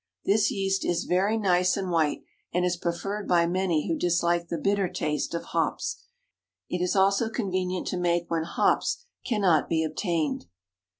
This yeast is very nice and white, and is preferred by many who dislike the bitter taste of hops. It is also convenient to make when hops cannot be obtained.